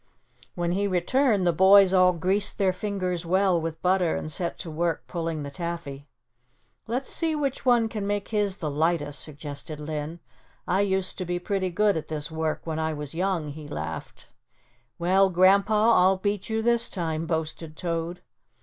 When he returned the boys all greased their fingers well with butter and set to work pulling the taffy. "Let's see which one can make his the lightest," suggested Linn. "I used to be pretty good at this work when I was young," he laughed. "Well, Grandpa, I'll beat you this time," boasted Toad.